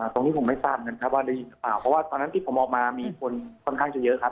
ตรงที่ผมไม่ทราบนะครับว่าได้ยินหรือเปล่าเพราะว่าตอนนั้นที่ผมออกมามีคนค่อนข้างจะเยอะครับ